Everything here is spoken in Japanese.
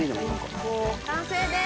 完成です！